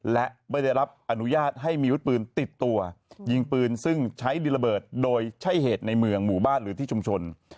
และไม่ได้รับอนุญาตให้มีวุฒิปืนติดตัวยิงปืนซึ่งใช้ดินระเบิดโดยใช้เหตุในเมืองหมู่บ้านหรือที่ชุมชน